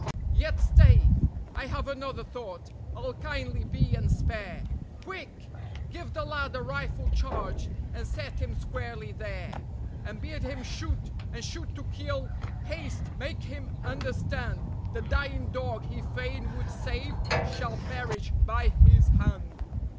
Yet stay! I have another thought. I'll kindly be, and spare; Quick! give the lad a rifle charged, and set him squarely there, And bid him shoot, and shoot to kill. Haste! Make him understand The dying dog he fain would save shall perish by his hand.